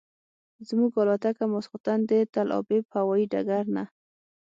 زموږ الوتکه ماسخوتن د تل ابیب هوایي ډګر نه.